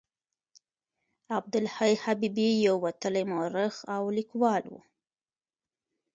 عبدالحي حبیبي یو وتلی مورخ او لیکوال و.